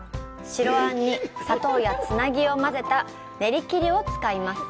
白あんに砂糖やつなぎをまぜた練り切りを使います。